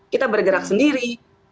kita bergerak sendiri